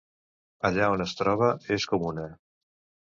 Allà on es troba, és comuna.